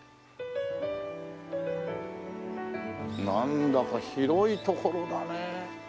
なんだか広い所だねえ。